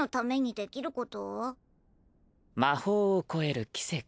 魔法を超える奇跡。